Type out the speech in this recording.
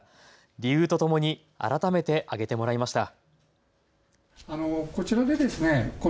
理由とともに改めて挙げてもらいました。